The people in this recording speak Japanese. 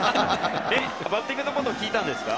バッティングのこと聞いたんですか？